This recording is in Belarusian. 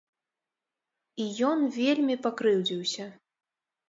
І ён вельмі пакрыўдзіўся.